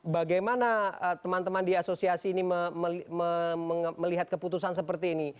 bagaimana teman teman di asosiasi ini melihat keputusan seperti ini